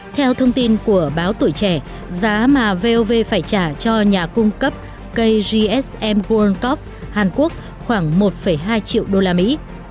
theo thông tin của báo tuổi trẻ giá mà vov phải trả cho nhà cung cấp kgsm world cup hàn quốc khoảng một hai triệu đô la mỹ